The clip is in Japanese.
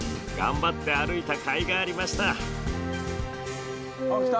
頑張って歩いたかいがありました。